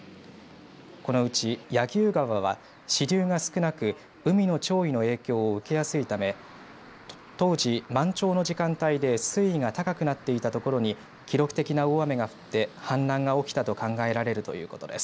このうち柳生川は支流が少なく海の潮位の影響を受けやすいため当時、満潮の時間帯で水位が高くなっていたところに記録的な大雨が降って氾濫が起きたと考えられるということです。